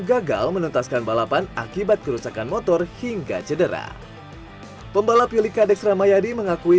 gagal menuntaskan balapan akibat kerusakan motor hingga cedera pembalap yuli kadex ramayadi mengakui